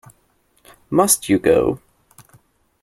Must you go?